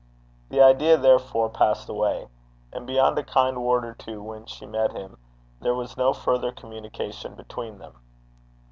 The idea, therefore, passed away; and beyond a kind word or two when she met him, there was no further communication between them.